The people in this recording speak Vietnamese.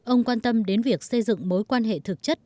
ông quan tâm đến việc xây dựng mối quan hệ thực chất